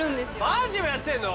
バンジーもやってんの？